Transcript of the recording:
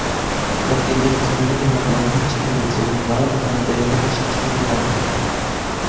Nachdem ihre Familie nach Long Beach umgezogen war, begann Day mit der Schauspielerei.